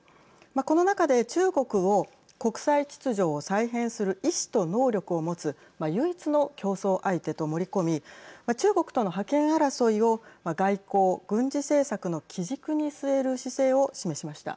この中で中国を国際秩序を再編する意思と能力を持つ唯一の競争相手と盛り込み中国との覇権争いを外交・軍事政策の基軸に据える姿勢を示しました。